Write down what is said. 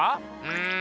うん。